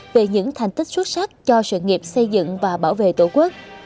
về những thành tích xuất sắc cho sự nghiệp xây dựng và bảo vệ tổ quốc